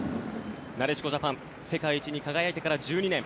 なでしこジャパン世界一に輝いてから１２年。